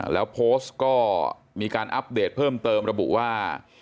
แล้วโพสต์ก็มีการอัปเดตเพิ่มเติมระบุว่า